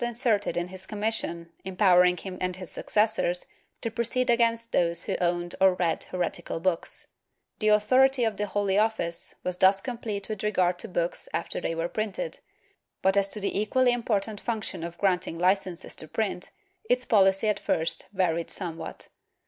IV] CONFIDED TO THE INQUISITION 483 mission empowering him and his successors to proceed against those who owned or read heretical books/ The authority of the Holy Office was thus complete with regard to books after they were printed, but as to the equally important function of grant ing licences to print, its policy at first varied somewhat.